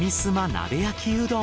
鍋焼きうどん！